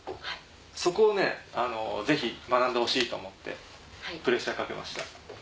そこをぜひ学んでほしいと思ってプレッシャー掛けました。